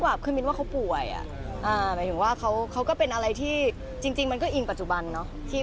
อะไรอย่างงี้